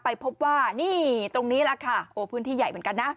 พบว่านี่ตรงนี้แหละค่ะโอ้พื้นที่ใหญ่เหมือนกันนะ